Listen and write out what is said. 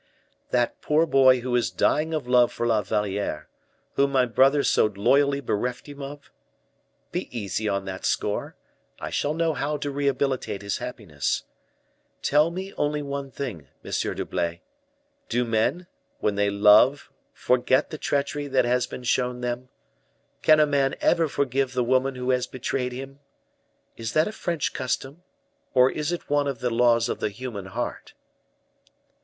"That poor boy who is dying of love for La Valliere, whom my brother so disloyally bereft him of? Be easy on that score. I shall know how to rehabilitate his happiness. Tell me only one thing, Monsieur d'Herblay; do men, when they love, forget the treachery that has been shown them? Can a man ever forgive the woman who has betrayed him? Is that a French custom, or is it one of the laws of the human heart?"